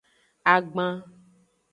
Agban.